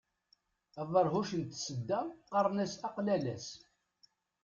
Aberhuc n tsedda qqaren-as aqlalas.